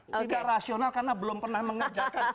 tidak rasional karena belum pernah mengerjakan